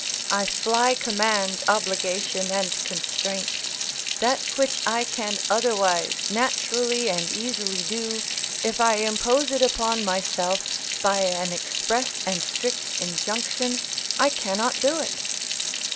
I fly command, obligation, and constraint; that which I can otherwise naturally and easily do, if I impose it upon myself by an express and strict injunction, I cannot do it.